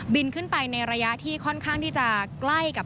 ขึ้นไปในระยะที่ค่อนข้างที่จะใกล้กับ